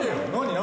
何？